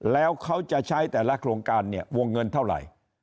แล้วเขาจะใช้แต่ละโครงการเนี่ยวงเงินเท่าไหร่